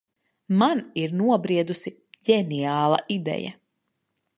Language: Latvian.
Man ir nobriedusi ģeniāla ideja.